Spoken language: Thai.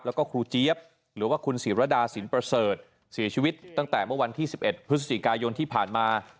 แล้วก็ครูเจี๊ยบหรือว่าคุณศิรดาสินประเสริฐเสียชีวิตตั้งแต่เมื่อวันที่๑๑พฤศจิกายนที่ผ่านมา